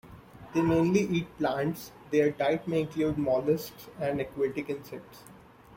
They mainly eat plants; their diet may include molluscs and aquatic insects.